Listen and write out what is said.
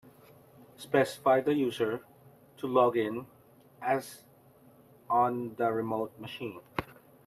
Specify the user to log in as on the remote machine.